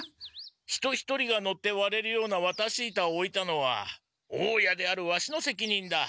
人一人が乗ってわれるようなわたし板をおいたのは大家であるワシのせきにんだ。